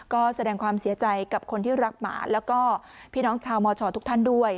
ก็แสดงความเสียใจกับคนที่รักหมาแล้วก็พี่น้องชาวมชทุกท่านด้วย